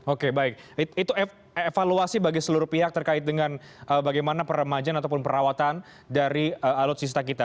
oke baik itu evaluasi bagi seluruh pihak terkait dengan bagaimana peremajaan ataupun perawatan dari alutsista kita